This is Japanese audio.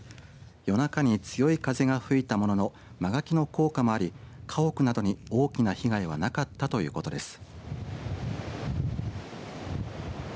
夜中に強い風が吹いたものの間垣の効果もあり家屋などに大きな被害はなかったということです。